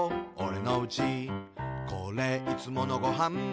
「これ、いつものごはん」